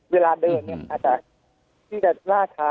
เวลาเดินเนี่ยอาจจะที่จะล่าชา